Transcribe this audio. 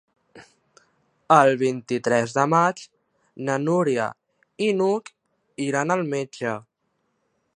El vint-i-tres de maig na Núria i n'Hug iran al metge.